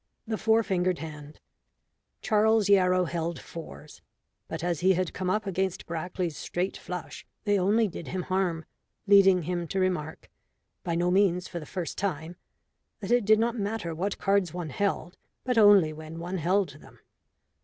THE FOUR FINGERED HAND Charles Yarrow held fours, but as he had come up against Brackley's straight flush they only did him harm, leading him to remark by no means for the first time that it did not matter what cards one held, but only when one held them.